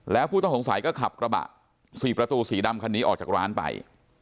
แล้วผู้ต้องสงสัยก็ขับกระบะ๔ประตูสีดำคันนี้ออกจากร้านไป